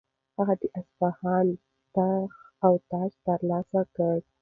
هغه د اصفهان تخت او تاج ترلاسه کړ.